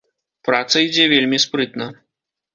Праца ідзе вельмі спрытна.